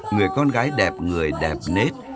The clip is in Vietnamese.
người con gái đẹp người đẹp nết